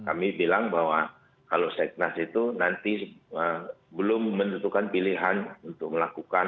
kami bilang bahwa kalau seknas itu nanti belum menentukan pilihan untuk melakukan